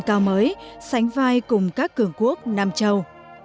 hồ chí minh là một trong những tầm công mới sánh vai cùng các cường quốc nam châu